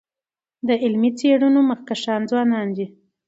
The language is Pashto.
د علمي څېړنو مخکښان ځوانان دي.